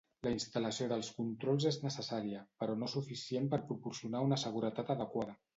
La instal·lació dels controls és necessària, però no suficient per proporcionar una seguretat adequada.